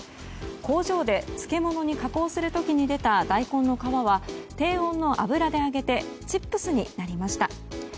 工場で漬物に加工する時に出た大根の皮は低温の油で揚げてチップスになりました。